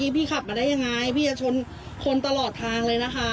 พี่ขับมาได้ยังไงพี่จะชนคนตลอดทางเลยนะคะ